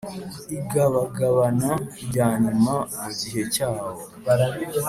igabagabana rya nyuma mu gihe cyabo.